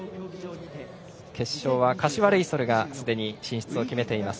決勝は柏レイソルがすでに進出を決めています。